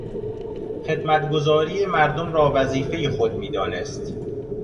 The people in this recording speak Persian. خدمتگزاری مردم را وظیفهی خود میدانست.